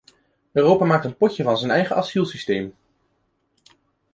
Europa maakt een potje van zijn eigen asielsysteem.